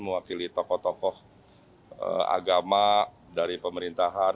mewakili tokoh tokoh agama dari pemerintahan